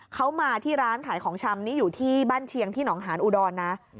เขามาที่ร้านขายของชำนี่อยู่ที่บ้านเชียงที่หองหานอุดรนะ